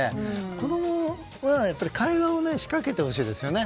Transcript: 子供は会話を仕掛けてほしいですよね。